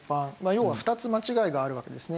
要は２つ間違いがあるわけですね。